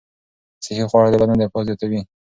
صحي خواړه د بدن دفاع زیاتوي.